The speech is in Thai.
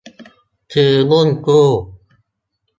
ซื้อหุ้นกู้